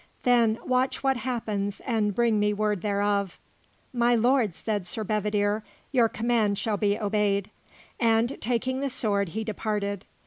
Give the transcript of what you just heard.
Then, watch what happens and bring me word thereof." "My Lord," said Sir Bedivere, "your command shall be obeyed"; and, taking the sword, he departed.